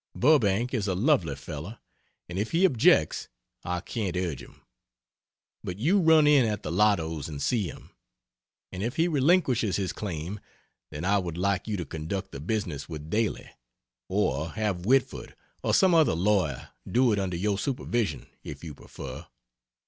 Burbank is a lovely fellow, and if he objects I can't urge him. But you run in at the Lotos and see him; and if he relinquishes his claim, then I would like you to conduct the business with Daly; or have Whitford or some other lawyer do it under your supervision if you prefer.